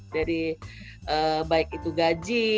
dari baik itu gaji